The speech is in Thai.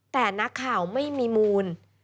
แต่นักข่าวไม่มีมูล